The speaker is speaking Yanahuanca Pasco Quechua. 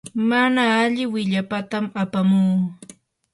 mana alli willapatam apamuu.